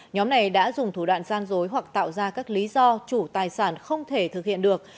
nhóm này đã dùng thủ đoạn gian dối hoặc tạo ra các lý do chủ tài sản không thể thực hiện được